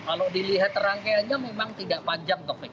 kalau dilihat rangkaiannya memang tidak panjang topik